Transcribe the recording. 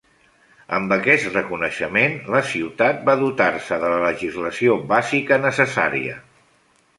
Amb aquest reconeixement, la ciutat va dotar-se de la legislació bàsica necessària.